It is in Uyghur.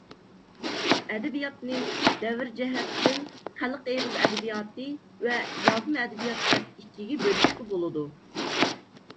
ئەدەبىياتىنى دەۋر جەھەتتىن خەلق ئېغىز ئەدەبىياتى ۋە يازما ئەدەبىيات دەپ ئىككىگە بۆلۈشكە بولىدۇ.